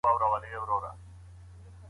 موږ باید پوه سو چي تمدنونه ولي مړه کیږي.